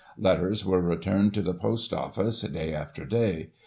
Letters were returned to the Post Office day after day.